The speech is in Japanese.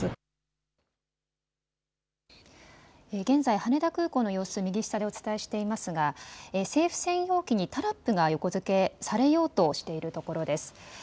現在、羽田空港の様子右下でお伝えしていますが政府専用機にタラップが横付けされようとしているところです。